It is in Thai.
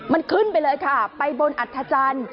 มันขึ้นไปเลยค่ะไปบนอัธจันทร์